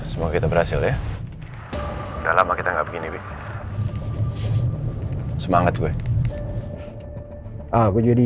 semoga kita berhasil ya udah lama kita enggak begini semangat gue aku jadi